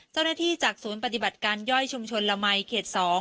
จากศูนย์ปฏิบัติการย่อยชุมชนละมัยเขต๒